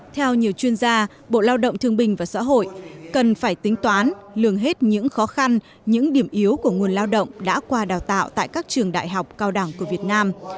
theo nhiều chuyên gia bộ lao động thương bình và xã hội cần phải tính toán lường hết những khó khăn những điểm yếu của nguồn lao động đã qua đào tạo tại các trường đại học cao đẳng của việt nam